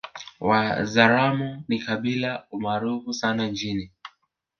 Wazaramo ni kabila maarufu sana nchini